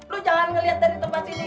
lo jangan ngeliat dari tempat sini